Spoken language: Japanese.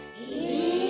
え！